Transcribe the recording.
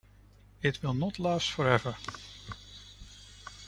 It will not last forever.